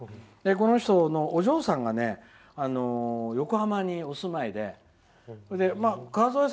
この人のお嬢さんが横浜にお住まいでかわぞえ